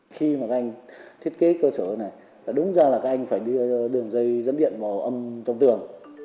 khi mà các anh thiết kế cơ sở này là đúng ra là các anh phải đưa đường dây dẫn điện vào âm trong tường